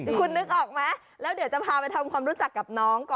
นี่คุณนึกออกมะและเดี๋ยวจะพาไปทำความรู้จักกับน้อง